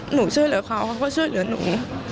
ช่วยเหลือเขาเขาก็ช่วยเหลือหนู